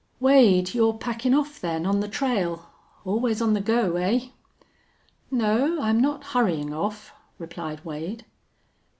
"Wade, you're packin' off, then, on the trail? Always on the go, eh?" "No, I'm not hurryin' off," replied Wade.